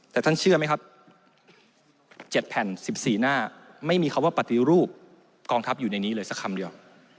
แต่ท่านเชื่อไหมครับ๗แผ่น๑๔หน้าไม่มีคำว่าปฏิรูปกองทัพอยู่ในนี้เลยสักคำเดียว